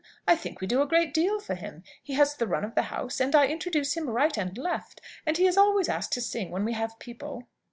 I think we do a great deal for him. He has the run of the house, and I introduce him right and left. And he is always asked to sing when we have people."